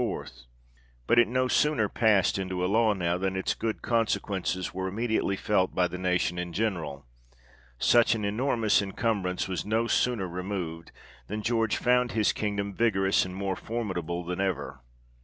But it no sooner passed into a law now, than its good consequences were immediately felt by the nation in general. Such an enormous incumbrance was no sooner removed, than George found his kingdom vigorous and more formidable than ever.